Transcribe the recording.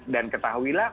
dan ketahui lah